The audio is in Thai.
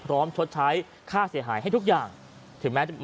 พร้อมชดใช้ค่าเสียหายให้ทุกอย่างถึงแม้มันจะ